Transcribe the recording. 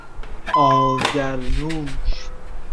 آذرنوش